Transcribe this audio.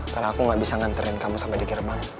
karena aku gak bisa nganterin kamu sampe di gerbang